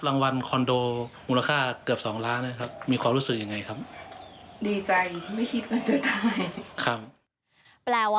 แปลว่าเป็นแฟนแทนรัฐนิวส์โชว์